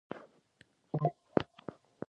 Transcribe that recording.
لمسی له نیا سره د قرآن تلاوت کوي.